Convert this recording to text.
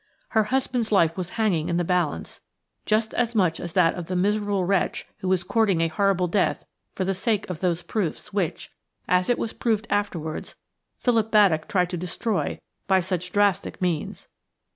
Her husband's life was hanging in the balance, just as much as that of the miserable wretch who was courting a horrible death for the sake of those proofs which–as it was proved afterwards–Philip Baddock tried to destroy by such drastic means.